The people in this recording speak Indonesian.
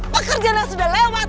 pekerjaan yang sudah lewat